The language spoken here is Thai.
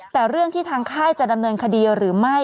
แต่เรื่องที่ทางค่ายจะดำเนินคดีหรือไม่